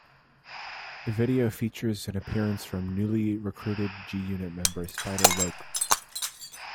The video features an appearance from newly recruited G-Unit member Spider Loc.